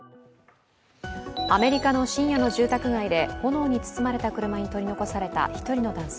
アメリカの深夜の住宅街で炎に包まれた車に取り残された男性。